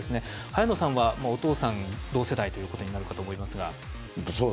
早野さんはお父さん同世代ということになるかと思いますが。